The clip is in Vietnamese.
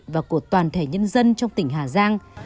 và của toàn thể nhân dân trong tỉnh hà giang